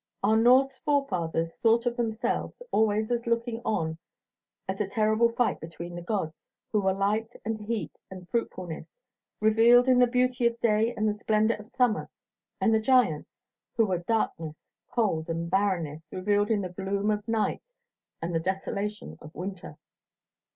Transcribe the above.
Our Norse forefathers thought of themselves always as looking on at a terrible fight between the gods, who were light and heat and fruitfulness, revealed in the beauty of day and the splendour of summer, and the giants, who were darkness, cold and barrenness, revealed in the gloom of night and the desolation of winter.